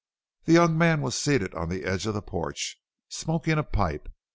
The young man was seated on the edge of the porch smoking a pipe!